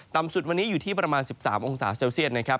สุดวันนี้อยู่ที่ประมาณ๑๓องศาเซลเซียตนะครับ